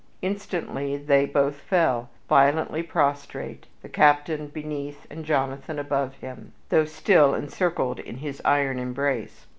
Instantly they both fell, violently prostrate, the captain beneath and Jonathan above him, though still encircled in his iron embrace.